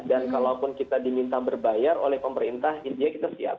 dan kalaupun kita diminta berbayar oleh pemerintah india kita siap